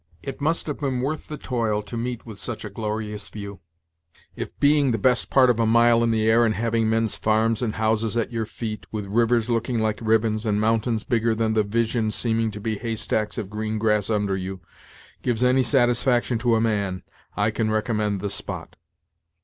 "It must have been worth the toil to meet with such a glorious view." "If being the best part of a mile in the air and having men's farms and houses your feet, with rivers looking like ribbons, and mountains bigger than the 'Vision seeming to be hay stacks of green grass under you, gives any satisfaction to a man, I can recommend the spot.